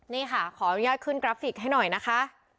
นี่ค่ะขออนุญาตขึ้นกราฟิกให้หน่อยนะคะ